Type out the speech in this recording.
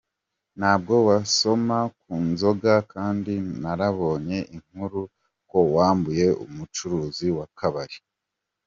Ntabwo wasoma ku nzoga? Kandi narabonye inkuru ko wambuye umucuruzi w’akabari?.